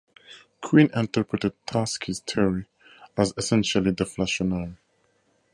Quine interpreted Tarski's theory as essentially deflationary.